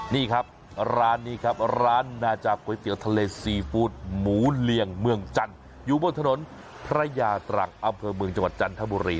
นี่ครับร้านนี้ครับร้านนาจาก๋วยเตี๋ยวทะเลซีฟู้ดหมูเลียงเมืองจันทร์อยู่บนถนนพระยาตรังอำเภอเมืองจังหวัดจันทบุรี